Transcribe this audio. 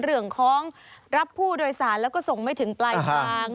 เรื่องของรับผู้โดยสารแล้วก็ส่งไม่ถึงปลายทาง